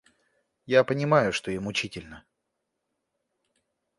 Я понимаю, что ей мучительно.